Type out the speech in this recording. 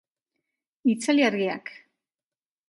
Itzali argiak